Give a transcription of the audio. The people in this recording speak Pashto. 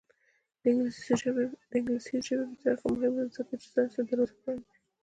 د انګلیسي ژبې زده کړه مهمه ده ځکه چې ساینس ته دروازه پرانیزي.